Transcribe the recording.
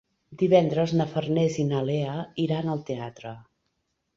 Divendres na Farners i na Lea iran al teatre.